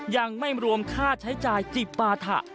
ยังไม่รวมค่าใช้จ่ายจิปาถะ